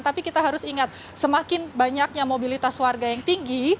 tapi kita harus ingat semakin banyaknya mobilitas warga yang tinggi